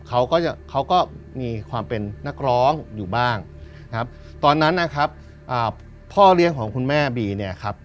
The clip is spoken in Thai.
เขาก็จะเขาก็มีความเป็นนักร้องอยู่บ้างนะครับตอนนั้นนะครับอ่าพ่อเลี้ยงของคุณแม่บีเนี่ยครับ